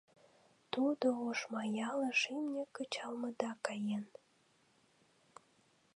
Тудо Ошмаялыш имне кычалмыда каен.